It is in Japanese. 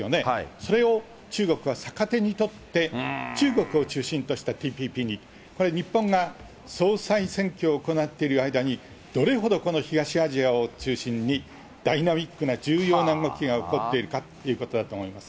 それを中国は逆手に取って中国を中心としたＴＰＰに、これ、日本が総裁選挙を行っている間に、どれほどこの東アジアを中心に、ダイナミックな、重要な動きが起こっているかということだと思います。